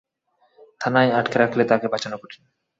থানায় আটকে রাখলে তাকে বাঁচানো কঠিন।